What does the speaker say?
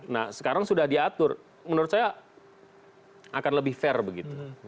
nah sekarang sudah diatur menurut saya akan lebih fair begitu